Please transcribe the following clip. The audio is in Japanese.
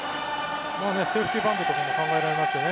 セーフティーバントも考えられますね。